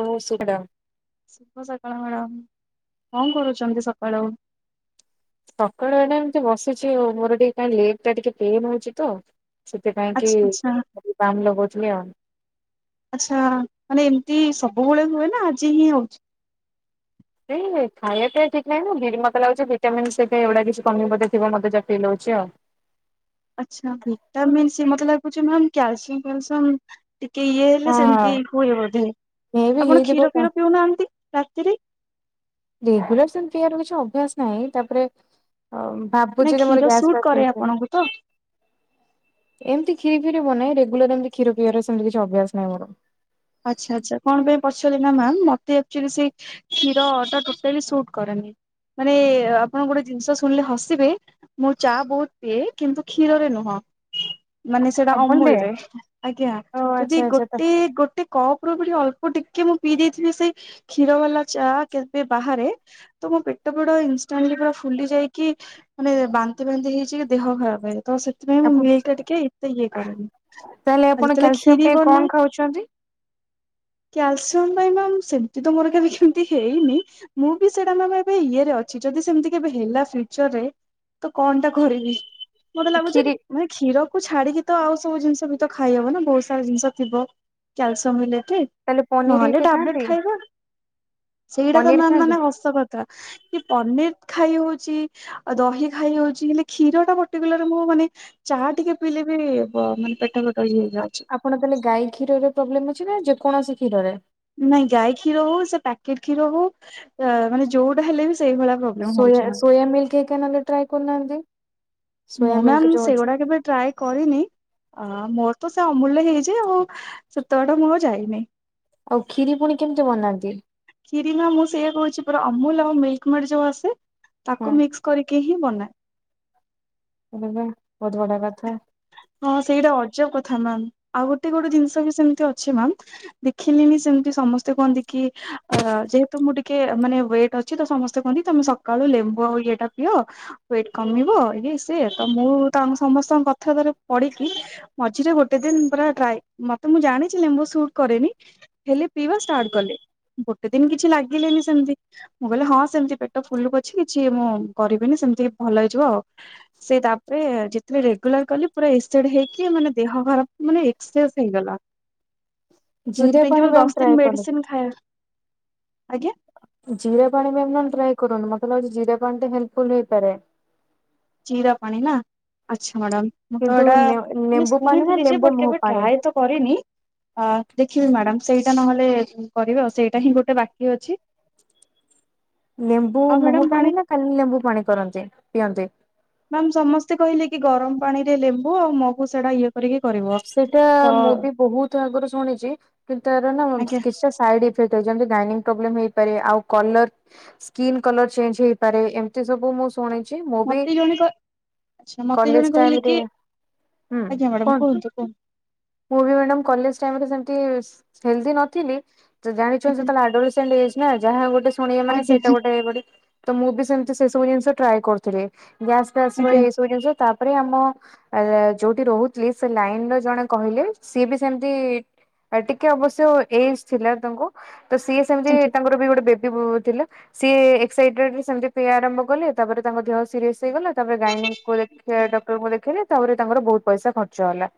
ହ ସେଟା [unintelligible] ଶୁଭ ସକାଳ ମ୍ୟାଡ଼ାମ୍, କଣ କରୁଛନ୍ତି ସକାଳୁ? ସକାଳୁ ଏଇନେ ଏମିତି ବସିଛି ଆଉ ମୋର ଟିକେ କାଇଁ ଲେଗ୍ ଟା ଟିକେ ପେନ ହଉଛି ତ। ସେଥିପାଇଁ ଆଚ୍ଛା କି ଆଚ୍ଛା ବାମ୍ ଲଗଉଥିଲି ଆଉ। ଆଚ୍ଛା ମାନେ ଏମିତି ସବୁବେଳେ ହୁଏ ନା ଆଜି ହିଁ ହଉଛି? ସେଇ ଖାଇବା ପିଇଵା ଠିକ୍ ନାହିଁ ତ ଲିରି ମତେ ଲାଗୁଛି ଭିଟାମିନ୍ ସେଇ ଅଇନା କିଛି କମି ବୋଧେ ଥିବ ମତେ ଯାହା ଫିଲ୍ ହଉଚି ଆଉ। ଆଚ୍ଛା ଭିଟାମିନ୍ସ ମତେ ଲାଗୁଚି ମାମ୍ କ୍ୟାଲସିଅମ୍ ଫୟଲସିଉମ ଟିକେ ଇଏ ହେଲେ ସେମିତି ହଁ ହୁଏ ବୋଧେ ମେ ବି ଆପଣ ହେଇଥିବ କ୍ଷୀର ତା ଫିର ପିଉନାହାନ୍ତି। ରା- ତିରେ। କ୍ଷୀର ଫିର ପିଇବାରେ କିଛି ଅଭ୍ୟାସ ନାହିଁ ତାପରେ ନାଇଁ ଭାବୁଛି ରେ ମୋର କ୍ଷୀର ଗ୍ୟାସ୍ ସୁଟ୍ କରେ ଫ୍ୟାସ [unintelligible] ଆପଣଙ୍କୁ ତ ଏମିତି ଖିରି ଫିରି ବନାଏ ରେଗୁଲାର ଏମିତି କ୍ଷୀର ପିଇବାରେ ସେମିତି କିଛି ଅଭ୍ୟାସ ନାହିଁ ମୋର। ଆଚ୍ଛା ଆଚ୍ଛା କଣ ପାଇଁ ପଚାରିଲି ନା ମାମ୍ ମତେ ୟାକଚୋଲି ସେ କ୍ଷୀର ଟା ଟୋଟାଲି ସୁଟ କରେନି ମାନେ ଆପଣ ଗୋଟେ ଜିନିଷ ଶୁଣିଲେ ହସିବେ ମୁଁ ଚା ବହୁତ୍ ପିଏ କିନ୍ତୁ କ୍ଷୀରରେ ନୁହଁ। ମାନେ ସେଇଟା ଅମୁଲ ରେ ଆଜ୍ଞା ଓ ଆଚ୍ଛା ଯଦି ଆଚ୍ଛା ତା ଗୋଟେ ଗୋଟେ ଗୋଟେ କପ ର ବୋଲି ଅଳ୍ପ ଟିକେ ମୁଁ ପିଇ ଦେଇଥିଲି ସେଇ କ୍ଷୀର ବାଲା ଚା କେବେ ବାହାରେ ତ ମୋ ପେଟ ବଡ ଇନସାଣ୍ଟଲି ପୁରା ଫୁଲି ଯାଇକି ମାନେ ବାନ୍ତି ଫାନ୍ତି ହେଇଛି କି ଦେହ ଖରାପ ତ ସେ ସେଥିପାଇଁ ମୁଁ ଆପଣ ମିଲ୍କ୍ ଟା ଟିକେ ଏତେ ଇଏ କରେନି। ଆଉ ଯେତେଲେ କ୍ଷୀରି ବନାଏ ଅଛନ୍ତି। କ୍ୟାଲସିୟମ ପାଇଁ ମାମ୍ ସେମିତି ତ ମୋର କେବେ କ୍ଷତି ହେଇନି ମୁଁ ବି ସେଟା ମାମ୍ ଏବେ ଇଏରେ ଅଛି ଯଦି ସେମିତି କେବେ ହେଲା ଫିଉଚର୍ ରେ କଣ ଟା କରିବି। ମତେ ଲାଗୁଛି କ୍ଷୀରି ମାନେ କ୍ଷୀରକୁ ଛାଡିକି ତ ଆଉ ସବୁ ଜିନିଷ ବି ତ ଖାଇବ ନା ବହୁତ ସାରା ଜିନିଷ ଥିବ କ୍ୟାଲସିୟମ ମିଲେଟରେ। ତାହେଲେ ପନିର ନହେଲେ ହେଇକା ଟ୍ୟାଵ୍ ଲେଟ ଖାଆନ୍ତି ଖାଇବା ସେଇଟା ତ ପନିର ମାମ୍ ଖାଆନ୍ତି ମାନେ ହସ ପନିର୍ ଖାଇ ହଉଛି ଆଉ ଦହି ଖାଇ ହଉଛି ହେଲେ କ୍ଷୀର ଟା ପଟିକୁଲାର ନେଲା ମୁଁ ମାନେ ଚା ଟିକେ ପିଇଲେ ବି ମାନେ ପେଟ ଫେଟ ଇଏ ହେଇଯାଉଛି। ଆପଣ ତାହେଲେ ଗାଈ କ୍ଷୀର ପ୍ରୋବ୍ଲେମ ଅଛି ନା ଯେକୌଣସି କ୍ଷୀରରେ। ନାଇଁ ଗାଈ କ୍ଷୀର ହଉ ସେ ପ୍ୟାକେଟ୍ କ୍ଷୀର ହଉ ମାନେ ଯୋଉଟା ହେଲେ ବି ସେଇଭଳିଆ ପୋ ସୋୟା ସୋୟା ମିିଲ୍ କେକ୍ ଆଣି ନହେଲେ ଟ୍ରାଇ କରୁନାହାନ୍ତି। ସୋୟା ମୁଁ ମିଲ୍କ ମାମ୍ ଯୋଉ ଅଛି। ସେଗୁଡା କେବେ ଟ୍ରାଏ କରିନି ଆ ମୋର ତ ସେ ଅମୂଲ୍ୟ ରେ ହେଇଯାଏ ଆଉ ସେତେବାଟ ମୁଁ ଆଉ ଯାଇନି। ଆଉ ଖିରି ପୁଣି କେମିତି ବନାନ୍ତି। କ୍ଷୀରୀ ମାମ୍ ମୁଁ ସେଇଆ କହୁଛି ପୁରା ଅମୁଲ ଆଉ ମିଲ୍କ ମେଡ ଯୋଉ ଆସେ ହଁ ତାକୁ ମିକ୍ସ କରିକି ହିଁ ବନାଏ। ହଉ ହେଲା ବହୁତ ବଢିଆ କଥା। ହଁ ସେଇଟା ଅଜବ କଥା ମାମ୍ ଆଉ ଗୋଟେ ଗୋଟେ ଜିନିଷ ବି ସେମତି ଅଛି ମାମ୍ ଦେଖିଲିନି ସେମିତି ସମସ୍ତେ କୁହନ୍ତି କି ଅ ଯେହେତୁ ମୁଁ ଟିକେ ମାନେ ୱେଟ ଅ ଅଛି ତ ସମସ୍ତେ କହନ୍ତି ତମେ ସକାଳୁ ଲେମ୍ବୁ ଆଉ ଇଏଟା ପିଅ ୱେଟ୍ କମିବ ଇଏ ସିଏ ତ ମୁଁ ତାଙ୍କୁ ସମସ୍ତଙ୍କ କଥାରେ ପଡିକି ମଝିରେ ଗୋଟେ ଦିନ ପୁରା ଟ୍ରାଏ ମତେ ମୁଁ ଜାଣିଛିି ମୁଁ ଲେମ୍ବୁ ସୁଟ କରେନି। ହେଲେ ପିଇବା ଷ୍ଟାର୍ଟ କଲେ ଗୋଟେ ଦିନ କିଛି ଲାଗିଲେନି ସେମିତି। ମୁଁ କହିଲି ହଁ ସେମିତି ପେଟ ଫୁଲୁ ପଛକେ କିଛି ମୁଁ କରିବିନି ସେମିତି ଭଲ ହେଇଯିବ ଆଉ। ସେ ତାପରେ ଯେ ତେଳେ ରେଗୁଲାର କଲି ପୁରା ଏକ୍ଟେଡ ହେଇକି ମାନେ ଦେହ ଖରାପ୍ ମାନେ ପୂରା ଏକ୍ସେସ ହେଇଗଲା। ଜିରା ଯୋଉଥିପାଇଁ ପାଣି କି ମ୍ୟାମ୍ ଦଶ ଟ୍ରାଏ ଦିନ କଲେ ମେଡିସିନ ଖାଇ ଆଜ୍ଞା। ଜିରା ପାଣି ବି ଆପଣ ଟ୍ରାଏ କରନ୍ତୁ ମତେ ଲାଗୁଛି ଜିରା ପାଣି ଟା ହେଲ୍ପଫୁଲ ହେଇପାରେ। ଜିରା ପାଣି ନା ଆଚ୍ଛା ମ୍ୟାଡାମ ମୁଁ ତ କିନ୍ତୁ ଏଟା ନେ ଲେମ୍ବୁ ପାଣି ନା ଶୁଣିଥିଲି ଯେ ଲେମ୍ବୁ ବଟ୍ ମହୁ କେବେ ପାଣି ଟ୍ରାଏ ତ କରିନି। ଅ ଦେଖିବେ ମ୍ୟାଡ଼ାମ ସେଇଟା ନହେଲେ କରିବେ ଆଉ ସେଇଟା ହିଁ ଗୋଟେ ବାକି ଅଛି। ଲେମ୍ବୁ ଆଉ ମ୍ୟାଡାମ ମହୁ ପାଣି ଜାଣି ନା ଖାଲି ଲେମ୍ବୁ ପାଣି କରନ୍ତି ପିଅନ୍ତିନି। ମାମ ସମସ୍ତେ କହିଲେ କି ଗରମ ପାଣି ରେ ଲେମ୍ବୁ ଆଉ ମହୁ ସେଟା ଇଏ ଏତିକି କରିବ। ସେଇଟା ତ ମୁଁ ବି ବହୁତ ଆଗରୁ ଶୁଣିଛି କିନ୍ତୁ ତାର ନା ଆଜ୍ଞା କିଛିଟା ସାଇଡ ଇ ସେଇଟା ଯେମିତି ଗାଇନିଂ ପ୍ରୋବଲେମ୍ ହେଇପାରେ ଆଉ କଲର ସ୍କିନ୍ କଲର ଚେଞ୍ଜ ହେଇପାରେ ଏମିତି ସବୁ ମୁ ଶୁଣିଛି ମୁଁ ବି ମତେ ଜଣେ କ ଆଚ୍ଛା ମତେ ଜଣେ କଲେଜ କହିଲେ ଟାଇମରେ କି ଆଜ୍ଞା ମାଡ଼ାମ କୁହନ୍ତୁ କୁହ। ମୁଁ ବି ମ୍ୟାଡ଼ମ୍ କଲେଜ ଟାଇମ୍ ରେ ସେମତି ହେଲଦି ନଥିଲି ଜାଣିଚ ଆଜ୍ଞା ଯେତେବେଳେ ଏଡଲ୍ଟ ସେ ନା ଯାହା ଗୋଟେ ଶୁଣିବେ ମାନେ ଆଜ୍ଞା ସେଇଟା ଗୋଟେ ହେଇପ ତ ମୁଁ ବି ସେମିତି ସେ ସବୁ ଜିନିଷ ଟ୍ରାଏ କରୁଥିଲି ଗ୍ୟାସ ଫ୍ୟାସ ପାଇଁ ଆଜ୍ଞା ଏଇ ସବୁ ଜିନିଷ ତାପରେ ଆମ ଯୋଉଠି ରହୁଥିଲି ସେ ଲାଇନ ର ଜଣେ କହିଲେ ସିଏ ବି ସେମତି ଟିକେ ଅବଶ୍ୟ ଏଜ୍ ଥିଲା ତାଙ୍କୁ ତ ସିଏ ସେଟା ହଉଚି ଆଜ୍ଞା। ତାଙ୍କର ବେ ଗୋଟେ ବେ ସେ ବୋ ଥିଲା ସିଏ ଏକ୍ସାଇଟେଡରେ ସେମତି ପିୟା ଆରମ୍ଭ କଲେ ତାପରେ ତାଙ୍କ ଦେହ ସିରିଏସ ହେଇଗଲା। ତାପରେ ଗାଇନୀଙ୍କି ଦେଖ ଡକ୍ଟରଙ୍କୁ ଦେଖେଇଲେ ତାପରେ ତାଙ୍କର ବହୁତ ପଇସା ଖର୍ଚ୍ଚ ହେଲା।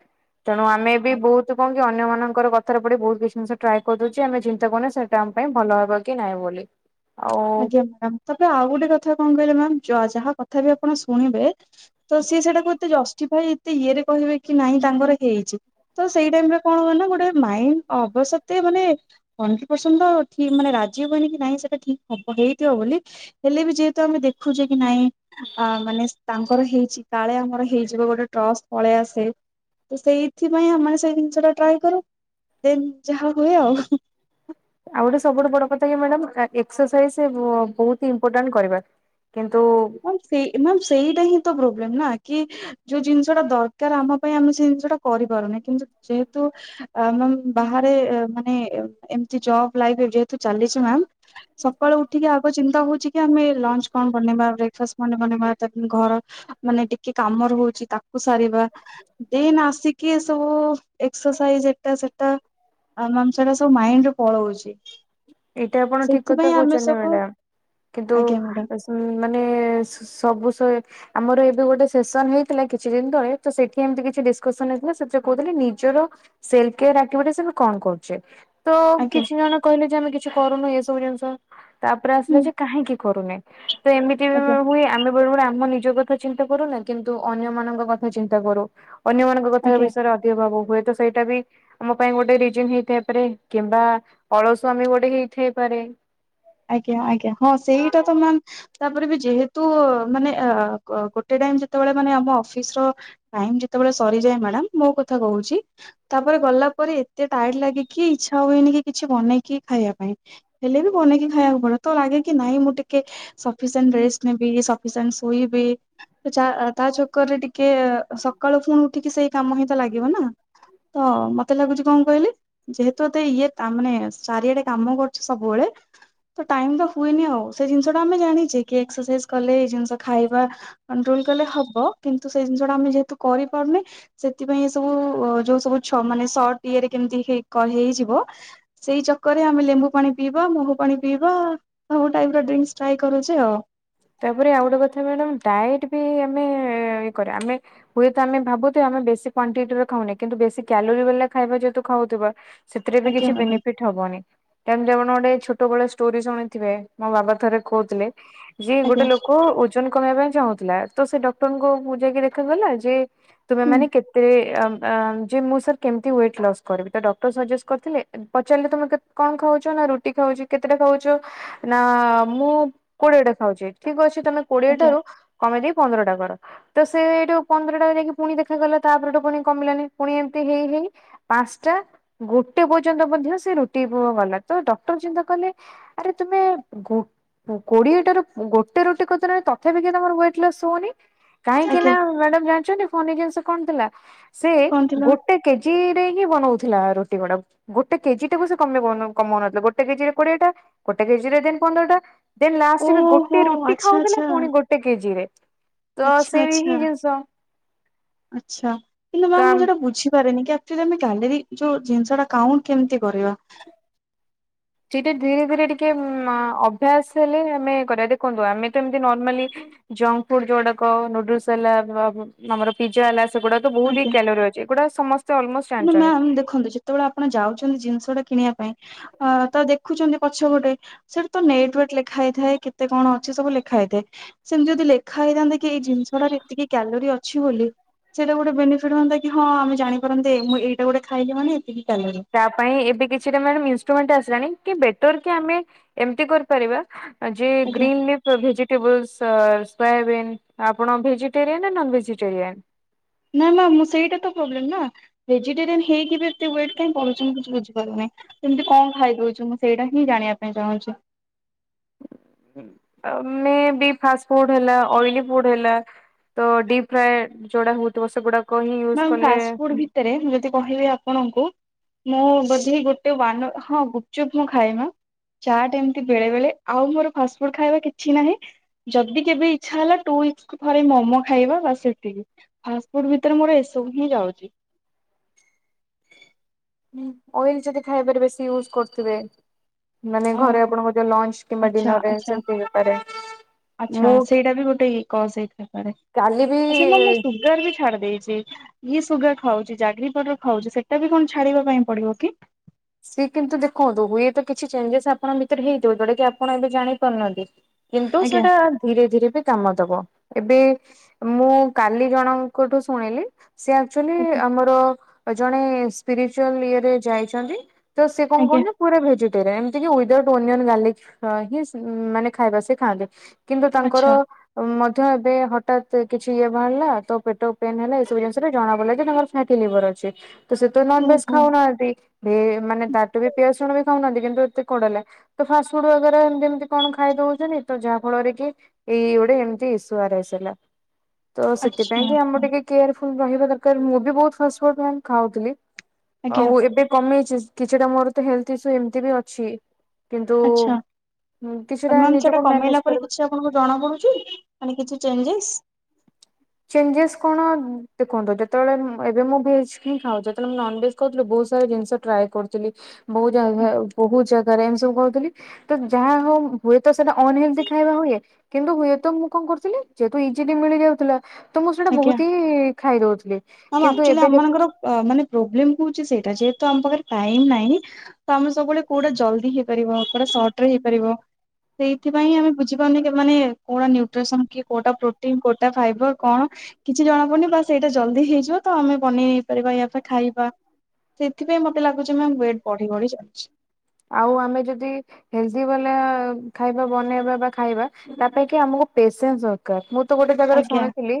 ତେଣୁ ଆମେ ବି ବହୁତ କମ କି ଅନ୍ୟମାନଙ୍କର କଥାରେ ପଡି ବହୁତ କିଛି ଜିନିଷ ଟ୍ରାଏଦଉଚେ ଯେ ଆମେ ଚିନ୍ତା କରେ ସେଟା ଆମ ପାଇଁ ଭଲ ହବ କି ନାହିଁ ବୋଲି। ଆଉ ଆଜ୍ଞା ମ୍ୟାମ୍ ତ ଆଉ ଗୋଟେ କଥା କଣ କହିଲେ ମ୍ୟାମ୍ ଯାହା କଥା ବି ଆପଣ ଶୁଣିବେ ତ ସିଏ ସେଟାକୁ ଏତେ ଜଷ୍ଟିଫାଇ ଏତେ ଇଏରେ କହିବେ କି ନାଇଁ ତାଙ୍କର ହେଇଛି। ତ ସେଇ ଟାଇମ ରେ କଣ କହିଲ ଗୋଟେ ମାଇଣ୍ଡ ଅବଶ୍ୟ ସେତେ ମାନେ ହଣ୍ଡେଡ୍ ପରସେଣ୍ଟ ତ ଠିକ ମାନେ ରାଜି ହୁଏନି କି ନାହିଁ ସେଟା ଠିକ୍। ହବ ହେଇଯ ବୋଲି ହେଲେ ବି ଯେହେତୁ ଆମେ ଦେଖୁଛେ କି ନାଇଁ। ଅ ମାନେ ତାଙ୍କର ହେଇଛି କାଳେ ଆମର ହେଇଯିବ ଗୋଟେ ଟ୍ରଷ୍ଟ ପଳେଇ ଆସେ। ସେଇଥିପାଇ ଆମେ ମାନେ ସେଇ ଜିନିଷ ଟା ଟ୍ରାଏ କରୁ ଦେନ୍ ଯାହା ହୁଏ ଆଉ। ଆଉ ଗୋଟେ ସବୁଠୁ ବଡ କଥା କି ମ୍ୟାଡମ୍ ଏକ୍ସରସାଇଜ ବହୁତ ଇମ୍ପୋଟାଣ୍ଟ କରିବା। କିନ୍ତୁ ସେଇ ମାମ୍ ସେଇଟା ହିଁ ତ ପ୍ରୋବ୍ଲେମ୍ ନା କି ଯୋଉ ଜିନିଷ ଟା ଦରକାର ଆମ ପାଇଁ ଆମେ ସେ ଜିନିଷ ଟା କରିପାରୁନେଇ କିନ୍ତୁ ଯେହେତୁ ଅ ମାମ ବାହାରେ ମାନେ ଏ ଏମିତି ଜବ୍ ଲାଇଫି ଯେହେତୁ ଚାଲିଚି ମାମ୍। ସକାଳୁ ଉଠିକି ଆଗ ଚିନ୍ତା ହଉଛି କି ଆମେ ଲଞ୍ଚ କଣ ବନେଇବା ବ୍ରେକ ଫାଷ୍ଟ ମାନେ ବନେଇବା ଘର ମାନେ ଟିକେ କାମ ରଉଛି ତାକୁ କୁ ସାରିବା ଦେନ୍ ଆସିକି ଏ ସବୁ ଏକ୍ସସାଇଜ ଏ ଏଟା ସେଟା ଆ ମାମ୍ ସେରା ସବୁ ମାଇଣ୍ଡରେ ପଳଉଛି। ଏଇଟା ଆପଣ ଠିକ କଥା ସେଥିପାଇଁ ଆମେ କହୁଛନ୍ତି ସବୁ ଆଜ୍ଞା ମ୍ୟାମ୍। ଉ ମାନେ ସ ସବୁ ସଇକି ଆମର ଏବେ ଗୋଟେ ସେସନ ହେଇଥିଲା କିଛି ଦିନ ତଳେ ତ ସେଠି ଏମିତି କିଛି ଡିସକସନ ହେଇଥିଲା ସେ କହୁଥିଲେ ନିଜର ସେଲ କେୟାର ଅକ୍ଟିବିଟିସ ଆମେ କଣ କରୁଚି ତ ଆଜ୍ଞା କିଛି ଜଣ କହିଲେ ଯେ ଆମେ କିଛି କରୁନୁ ଏସବୁ ଜିନିଷ ତାପରେ ହୁଁ ଆସିଲେ ଯେ କାହିଁକି କରୁନେ ତ ଏମିତି ଆଜ୍ଞା। ହୁ ଆମେ ବେଳେ ବେଳେ ଆମ ନିଜ କଥା ଚିନ୍ତା କରୁନା କିନ୍ତୁ ଅନ୍ୟମାନଙ୍କ କଥା ଚିନ୍ତା କରୁ ଅନ୍ୟମାନ। ତୋ କଥା ଆଜ୍ଞା ବିଷୟରେ ଅଧିକ ଭା ବୋଉ କୁହେତ ସେଇ। ଟା ବି ମୋ ପାଇଁ ଗୋଟେ ରିଜିନ ହେଇଥାଇପାରେ କିମ୍ବା ଅଳସ ଆମେ ଗୋଟେ ହେଇଥାଇପାରେ। ଆଜ୍ଞା ଆଜ୍ଞା ହଁ ସେଇଟା ତ ମ ମାମ। ତାପରେ ବି ଯେହେତୁ ମାନେ ଆ ଗୋଟେ ଟାଇମ ଯେତେବେଳେ ମାନେ ଆମ ଅଫିସ ର ଟାଇମ ଯେତେବେଳେ ସରିଯାଏ ମାଡ଼ାମ ମୋ କଥା କହୁଛି। ତାପରେ ଗଲା ପରେ ଏତେ ଟାଇଡ ଲାଗିକି ଇଚ୍ଛା ହୁଏନି କି କିଛି ବନେଇକି ଖାଇବା ପାଇଁ। ହେଲେ ବି ବନେଇକି ଖାଇବାକୁ ପଡେ ତ ଲାଗେ କି ନାଇଁ ମୁଁ ଟିକେ ସଫିସେଣ୍ଟ ରେଷ୍ଟ ନେବି ସଫିସେଣ୍ଟ ଶୋଇବି। ଚା ତା ଚକରରେ ଟିକେ ସକାଳୁ ପୁଣି ଉଠିକି ସେଇ କାମ ହିଁ ତ ଲାଗିବ ନା। ହଁ ମତେ ଲାଗୁଛି କଣ କହିଲି ଯେହେତୁ ଏତେ ଇଏ ତା ମାନେ ଚାରିଆଡେ କାମ କରୁଛି ସବୁବେଳେ। ତ ଟାଇମ ତ ହୁଏନି ଆଉ ସେ ଜିନିଷ ଟା ଆମେ ଜାଣିଛେ କି ଏକ୍ସରସାଇଜ କଲେ ଏଇ ଜିନିଷ ଖାଇବା। କଣ୍ଟ୍ରୋଲ କଲେ ହବ କିନ୍ତୁ ସେ ଜିନିଷ ଆମେ ଯେହେତୁ କରିପାରୁନେ। ସେଥିପାଇଁ ଏ ସବୁ ଅ ଯୋଉ ସବୁ ଛ ମାନେ ସର୍ଟ ତିଆରି କେମିତି ହେଇ କରିହେଇଯିବ। ସେଇ ଚକରେ ଆମେ ଲେମ୍ବୁ ପାଣି ପିଇବା ମହୁ ପାଣି ପିଇବା ସବୁ ଟାଇମ ରେ ଡ୍ରିଙ୍କସ ଟ୍ରାଏ କରୁଛି ଆଉ। ତାପରେ ଆଉ ଗୋଟେ କଥା ମାଡ଼ାମ ଟାଇଟି ବି ଆମେ ଇଏକରିବା ଆମେ। ହୁଏତ ଆମେ ଭାବୁଥିବା ଆମେ ବେଶୀ କ୍ୱାଣ୍ଟିରେ ଖାଉନେ କିନ୍ତୁ ବେଶୀ କ୍ୟାଲୋରିୀ ବାଲା ଖାଇବା ଯେହେତୁ ଖାଉଥିବା। ସେଥିରେ ବି ଆଜ୍ଞା କିଛି ମ୍ୟାଡାମ ବେନିଫିଟ୍। ହବନି ତମେ ଗୋଟେ ଛୋଟବେଳେ ଗୋଟେ ଷ୍ଟୋରି ଶୁଣିଥିବେ ମୋ ବାବା ଥରେ କହୁଥିଲେ। ଯିଏ ଗୋଟେ ଆଜ୍ଞା ଲୋକ ଓଜନ କମେଇବା ପାଇଁ ଚାହୁଥିଲା ତ ସେ ଡକ୍ଟରଙ୍କ ଙ୍କୁ ଯାଇକି ଦେଖାଗଲା ଯେ। ତୁମେ ହୁଁ ମାନେ କେତେ‌ ଆମ୍। ଆମ୍‌ ଯେ ମୁଁ ସାର କେମିତି ୱେଟ ଲସ କରିବି ତ ଡକ୍ଟର ସଜେଷ୍ଟ କରିଥିଲେ। ପଚାରିଲେ ତମେ କେ କଁ ଖାଉଛ ନା ରୁଟି ଖାଉଛ କେତେଟା ଖାଉଛ ନା ମୁଁ। କୋଡିଏଟା ଖାଉଛି ଠିକ ଅଛି ତମେ କୋଡିଏ ଆଜ୍ଞା ଟାରୁ କମେଇ ଦେଇେ ପନ୍ଦରଟା କର। ତ ସେ ଏଇଠୁ ପନ୍ଦରଟା ଯାଇକି ପୁଣି ଦେଖା କଲା ତା ପରେ ଠୁ ପୁଣି କମିଲାନି ପୁଣି ଏମିତି ହେଇ ହେଇ। ପାଞ୍ଚଟା ଗୋଟେ ପର୍ଯ୍ୟନ୍ତ ମଧ୍ୟ ସେ ରୁଟି ଗଲା ତ ଡକ୍ଟର ଚିନ୍ତା କଲେ। ଆରେ ତୁମେ ଗୋ କୋଡିଏ ଟାରୁ ର ଗୋଟେ ରୁଟି କତିରେ ହେଲଣି ତଥାପି କାଇଁ ତମର ୱଟ୍ ଲସ ହଉନି। କାହିଁକି ନା ଆଜ୍ଞା ମ୍ୟାଡାମ ଜାଣିଛନ୍ତି ଫନି ଜିନିଷ କଣ ଥିଲା ସେ କଣ ଗୋ ଥିଲା ଗୋଟେ କେଜି ରେ ହିଁ ବନଉଥିଲା ରୁଟି ଗୁଡାକୁ। ଗୋଟେ କେଜି ଟାକୁ ସେ କମେଇ ପାରୁ ନ କମାଉ ନଥିଲା ଗୋଟେ କେଜି ରେ କୋଡିଏ ଟା ଗୋଟେ କେଜିରେ ଦେନ ଦେ ପନ୍ଦରଟା। ଦେନ୍ ଲାଷ୍ଟ ଓହୋ ଗୋଟେ ରୁଟି ଆଚ୍ଛା ଖାଉଥିଲା ପୁଣି ଗୋଟେ କେଜିରେ। ତ ଆଛା ସେଇ ହିଁ ଆଛା ଜିନିଷ ଆଛା ହେଲେ ତ ମ୍ୟାମ୍ ମୁଁ ସେଟା ବୁଝି ପାରିନି କି ଆକ୍ ତୁ ଯେମିତି କ୍ୟାଲେର ଯୋଉ ଜିନିଷ ଟା କାଉଣ୍ଟ କେମିତି କରିବ। ସେଇଟା ଧୀରେ ଧୀରେ ଟିକେ ଉଁ ଆଁ ଅଭ୍ୟାସ ହେଲେ ଆମେ କରିବା ଦେଖନ୍ତୁ ଆମେ ତ ଏମତି ନର୍ମାଲି। ଜଙ୍କ ଫୁଡ ଯୋଉ ଗୁଡାକ ନୁଡୁଲସ୍ ହେଲା ଆମର ପିଜା ହେଲା। ସେଗୁଡା ତ ବହୁତ ହି ଆଜ୍ଞା କ୍ୟାଲୋରି ଅଛି ଏଗୁଡା ସମସ୍ କିନ୍ତୁ ମ୍ୟାାମ ଦେଖନ୍ତୁ ଯେତେ ବେଳେ ଆପଣ ଯାଉଛନ୍ତି ଜିନିଷ ଟା କିଣିବା ପାଇଁ। ଅ ତ ଦେଖୁଛନ୍ତି ପଛ ପଟେ। ସେଠି ତ ନେଟ ୱେଟ ଲେଖା ହେଇଥାଏ କେତ କଣ ଅଛି ସବୁ ଲେଖା ହେଇଥାଏ। ସେମିତି ଯଦି ଲେଖା ହେଇଥାନ୍ତା କି ଏଇ ଜିନିଷଟାର ଏତିକି କ୍ୟଲୋରୀ ଅଛି ବୋଲି। ସେଇଟା ଗୋଟେ ବେନିଫିଟ୍ ହଅନ୍ତା କି ହଁ ଆମେ ଜାପାରନ୍ତେ ମୁଁ ଏଇଟା ଗୋଟେ ଖାଇଲି ମାନେ ଏତିକି କ୍ୟାଲୋରି। ତା ପାଇଁ ଏବେ କିଛି ଟା ଇନଷ୍ଟୃମେଣ୍ଟ ଆସିଲାଣି କି ବେଟର କି ଆମେ ଏମତି କରିପାରିବା। ଯେ ଆଜ୍ଞା ଗ୍ରୀନ ଲିପ୍ ର ଭେଜିଟେବୁଲ୍ସ ସୋୟାବିନ ଆପଣ ଭେଜିଟେରିଆନ୍ ନା ନନ ଭେଜିଟେରିଆନ୍। ନା ନା ମୁଁ ସେଇଟା ତ ପ୍ରୋବ୍ଲେମ ନା ଭେଜିଟେରିୟନ ହେଇକି ବି ଏତେ ୱଟ କାଇଁ ବଢୁଛି ମୁଁ କିଛି ବୁଝିପାରୁନି। ଏମିତି କଣ ଖାଇଦଉଛି ମୁଁ ସେଇଟା ହିଁ ଜାଣିବା ପାଇଁ ଚାହୁଁଛି। ଆମେ ବି ଫାଷ୍ଟ ଫଡ ହେଲା ଅଏଲି ଫୁଡ ହେଲା। ତ ଡିପ୍ ଫ୍ରାଏ ଯୋଉଡା ହଉଥିବ ସେଗୁଡା। ମାମ୍ ଫାଷ୍ଟ ଫୁଡ ଭିତରେ ମୁ ଯଦି କହିବି ଆପଣଙ୍କୁ। ମୁଁ ବୋଧି ଗୋଟେ ୱନ ଅ ହଁ ଗୁପଚୁପ ମୁଁ ଖାଏ ମୁଁ। ଚାଟ୍ ଏମତି ବେଳେ ବେଳେ ଆଉ ମୋର ଫାଷ୍ଟଫୁଡ ଖାଇବା କିଛି ନାହିଁ। ଯଦି କେବେ ଇଛା ହେଲା ଟୁ ଉଇକ୍ସ ଥରେ ମୋମୋ ଖାଇବା ବାସ ସେତିକି ଫାଷ୍ଟ ଫୁଡ୍ ଭି ତରେ ମୋର ଏସବୁ ହିଁ ଯାଉଛି। ହୁଁ ଅଏଲ ଯଦି ଖାଇବାରେ ବେଶୀ ୟୁଜ୍ କରଥିବେ। ମାନେ ଘରେ ଓହୋ ଆପଣଙ୍କ ଯୋଉ ଲଞ୍ଚ କିମ୍ବା ଡିନରରେ ସେମତି ହେଇପାରେ। ଆଛା ମୁଁ ସେଇଟା ବି ଗୋଟେ ଇ କଜ ହେଇ ଥାଇପରେ କାଲି ଆଛା ମାମ୍ ମୁଁ ବି ସୁଗାର ବି ଛାଡି ଦେଇଛି। ଇଏ ସୁଗାର ଖାଉଛି ଜାଗରି ପାଉଡର ଖାଉଛି ସେଟା ବି କଣ ଛାଡିବା ପାଇଁ ପଡିବ କି। ସିଏ କିନ୍ତୁ ଦେଖନ୍ତୁ ହୁଏ ତ କିଛି ଚେଞ୍ଜେସ ଆପଣଙ୍କ ଭିତରେ ହେଇଥିବ ଯୋଉ ଟା କି ଆପଣ ଏବେ ଜାଣି ପାରୁନାହାନ୍ତି। କିନ୍ତୁ ଆଜ୍ଞା ସେଇଟା ଧୀରେ ଧୀରେ ବି। କାମ ଦବ ଏବେ ମୁଁ କାଲି ଜଣଙ୍କଠୁ ଶୁଣିଲି ସେ ଆକ୍ଚୁଆଲି। ଆଜ୍ଞା। ମୋର ଜଣେ ସ୍ପିରିଚୁଆଲ ଇଏରେ ଯାଇଛନ୍ତି ତ ସେ କଣ ଆଜ୍ଞା କହ ପୁରା ଭେଜିଟେରିୟନ ଏମିତି କି ୱିଦାଉଟ୍ ଓନିଅନ ଗାର୍ଲିକ ହିଁ ମାନେ ଖାଇବା ସେ ଖାଆନ୍ତି। କିନ୍ତୁ ତାଙ୍କର ଆଚ୍ଛା ମଧ୍ୟ ଏବେ ହଠାତ୍ କିଛି ଇଏ ବାହାରିଲା ତ ପେଟ ପେନ୍ ହେଲା ଏସବୁ ଜିନିଷରେ ଜଣାପଡ଼ିଲା ଯେ ତାଙ୍କର [unintelligible] ଲିଭର ଅଛି ତ ସେ ତ ନନ ଭେଜ ଓହୋ ଖାଉନାହାନ୍ତି ମାନେ ତାଠୁ ବି ପିଆ ଶୁଣ ବି ଖାଉନାହାନ୍ତି କିନ୍ତୁ ଏତେ କୋଡଲେ। ତ ଫାଷ୍ଟ ଫୁଡ ଏମତି ଏମତି କଣ ଖାଇ ଦଉଛନ୍ତି ତ ଯାହା ଫଳରେ କି ଏଇ ଗୋଟେ ଏମିତି ଏସୁଆର ହେଇସିଲା ତ ସେଥିପାଇଁ ଆଚ୍ଛା ଯେ ଆମ ଆଚ୍ଛା। ଟିକେ କେୟାରଫୁଲ ରହିବା ଦରକାର ମୁଁ ବି ବହୁତ ଫାଷ୍ଟ ଫୁଡ ମ ଖାଉଥିଲି ଆଜ୍ଞା ଆଉ ଏବେ କମେଇଛି। କିଛିଟା ମୋର ତ ହେଲ୍ଥ ଇସ୍ୟୁ ଏମିତି ବି ଅଛି। କିନ୍ତୁ ଆଚ୍ଛା କିଛିଟା ମ୍ୟାମ୍ ସେଟା ନିଜକୁ କମେଇଲା ମ୍ୟାନେଜ ପରେ କରିବା। କିଛି ଆପଣଙ୍କୁ ଜଣା ପଡୁଛି ମାନେ କିଛି ଚେଞ୍ଜେସ୍? ଚେଞ୍ଜେସ୍ କଣ ଦେଖନ୍ତୁ ଯେତେବେଳେ ଏବେ ମୁଁ ଭେଜ ହିଁ ଖାଉ ଯେତେବେଳେ ନନ୍ ଭେଜ୍ କହୁଥିଲୁ ବହୁତ ସାରା ଜିନିଷ ଟ୍ରାଏ କରୁଥିଲି ବହୁ ଜା ବହୁତ ଜାଗାରେ ଏମିତି ସବୁ କହୁଥିଲି ତ ଯାହା ହ ହୁଏ ତ ସେଇଟା ଅନହେଲଦି ଖାଇବା ହୁଏ କିନ୍ତୁ ହୁଏତ ମୁଁ କଣ କରୁଥିଲି ଯେହେତୁ ଇଜିଲି ମିଳି ଯାଉଥିଲା ତ ମୁଁ ସେଇଟା ଆଜ୍ଞା। ବହୁତ ହି ଖାଇଦଉଥିଲି କିନ୍ତୁ ଏବେ ଅ ମାନେ ପ୍ରୋବ୍ଲେମ କହୁଛି ସେଇଟା ଯେହେତୁ ଆମ ପାଖରେ ଟାଇମ୍ ନାହିଁ ତ ଆମେ ସବୁବେଳେ କୋଉଟା ଜଲଦି ହେଇପାରିବ କୋଉଟା ସର୍ଟ ରେ ହେଇପାରିବ ସେଇଥିପାଇଁ ଆମେ ବୁଝିପାରୁନି ମାନେ କୋଉଟା ନ୍ୟୁଟ୍ରସନ କି କୋଉଟା ପ୍ରୋଟିନ କୋଉଟା ଫାଇବର କଣ କିଛି ଜଣା ପୁନି ବା ସେଇଟା ଜଲଦି ହେଇଯିବ ତ ଆମେ ବନେଇ ନେଇେଇ ପାରିବା ୟା ପାଇଁ ଖାଇବା ସେଥିପାଇଁ ମତେ ଲାଗୁଛି ମୋ ୱେଟ୍ ବଢି ବଢି ଚାଲିଛି। ଆଉ ଆମେ ଯଦି ହେଲଦି ବ ଖାଇବା ବନେଇବା ବା ଖାଇବା ତା ପାଇଁ କି ଆମକୁ ପେସେନ୍ସ ଅ [unintelligible] ମୁଁ ତ ଗୋଟେ ଜାଗାରେ ଆଜ୍ଞା ଶୁଣିଥିଲି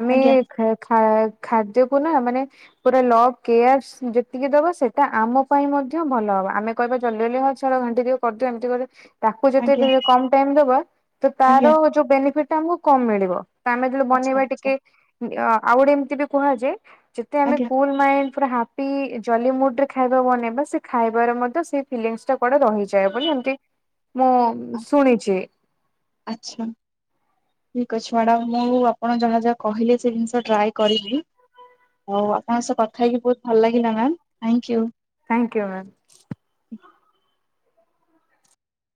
ଆମେ ଆଜ୍ଞା ଖ ଖାଦ୍ୟକୁ ନା ମାନେ ପୁରା ଲ କେୟାର ଯେତିକି ଦବା ସେଇଟା ଆମ ପାଇଁ ମଧ୍ୟ ଭଲ ହବ ଆମେ କହିବା ଜଲ୍ଦି ଜଲ୍ଦି ହ ଛାଳ ଘାଣ୍ଟି ଦିଉ କରିଦୁ ଏମିତି ଗ ତାକୁ ଆଜ୍ଞା ଯଦି କମ ଟାଇମ ଦବା ତ ଆଜ୍ଞା ତାର ଯୋଉ ବେନିଫିଟ ଆମକୁ କମ ମିଳିବ। ଆମେ ଯେଳେ ଆଚ୍ଛା ବନେଇବା ଆଚ୍ଛା ଟିକେ ଆଉ ଗୋଟେ ଏମତି ବି କୁହାଯାଏ ଯେତେ ଆମେ ଆଜ୍ଞା କୁଲ ମାଇ ହ ଜ ମୁରେ ଖାଇବା ବନେଇବା ସେ ଖାଇବାର ସୋ ଡେ ରହିଯାଏ ବୋଲି ଏମତି ମୁଁ ଶୁଣିଛି। ଆଛା। ଠିକ୍ ଅଛି ମ୍ୟାଡ଼ାାମ ମୁଁ ଆପଣ ଯାହା ଯାହା କହିଲେ ସେ ଜିନିଷ ଟ୍ରାଏ କରିବି। ହଉ ଆପଣଙ୍କ ସହ କଥା ହେଇକି ବହୁତ ଭଲ ଲାଗିଲା ma'am thank you. Thank you ma'am.